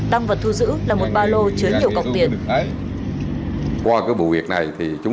tăng vật thu giữ là một ba lô chứa nhiều cọc tiền